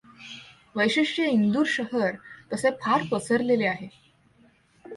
वैशिष्ट्ये इंदूर शहर तसे फार पसरलेले आहे.